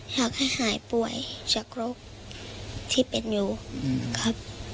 อยากให้หายป่วยจากโรคที่เป็นอยู่ครับ